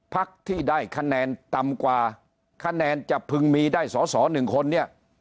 พักที่ได้คะแนนต่ำกว่าคะแนนจะพึงมีได้สอสอหนึ่งคนเนี่ย